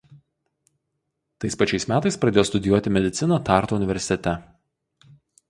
Tais pačiais metais pradėjo studijuoti mediciną Tartu universitete.